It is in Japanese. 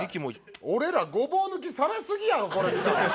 俺らごぼう抜きされすぎやろこれ見たら。